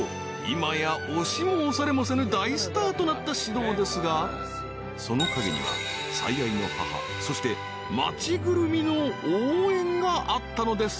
［今や押しも押されもせぬ大スターとなった獅童ですがその陰には最愛の母そして町ぐるみの応援があったのです］